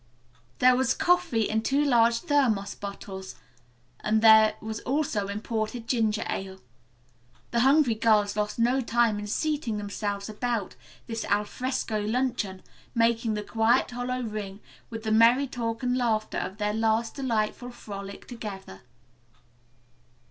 There was coffee in two large thermos bottles, and there was also imported ginger ale. The hungry girls lost no time in seating themselves about this al fresco luncheon, making the quiet hollow ring with the merry talk and laughter of their last delightful frolic together.